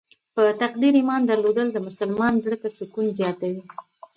په تقدیر ایمان درلودل د مسلمان زړه ته سکون زیاتوي.